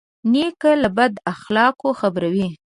نیکه له بد اخلاقو خبروي.